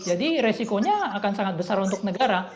jadi resikonya akan sangat besar untuk negara